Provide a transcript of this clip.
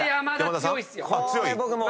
これ僕もう。